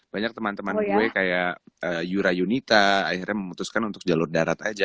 banyak teman teman gue kayak yura yunita akhirnya memutuskan untuk jalur darat aja